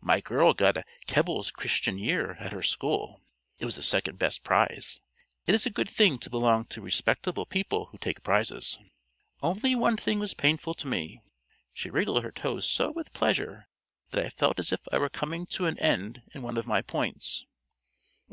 "My girl got a Keble's 'Christian Year' at her school. It was the second best prize. It is a good thing to belong to respectable people who take prizes. Only one thing was painful to me: she wriggled her toes so with pleasure that I feel as if I were coming to an end in one of my points."